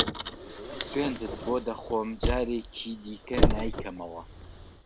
سوێندت بۆ دەخۆم جارێکی دیکە نایکەمەوە.